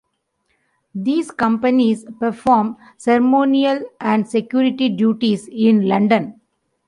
These companies perform ceremonial and security duties in London.